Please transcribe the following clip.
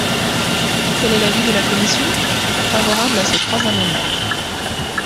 Quel est l’avis de la commission ? Favorable à ces trois amendements.